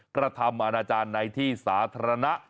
กระทำอาณาจารย์ในที่สาธารณะ